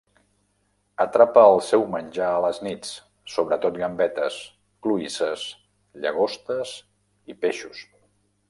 Atrapa el seu menjar a les nits, sobretot gambetes, cloïsses, llagostes i peixos.